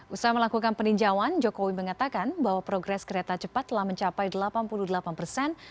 usaha melakukan peninjauan jokowi mengatakan bahwa progres kereta cepat telah mencapai delapan puluh delapan persen